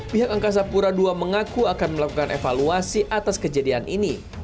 pihak angkasa pura ii mengaku akan melakukan evaluasi atas kejadian ini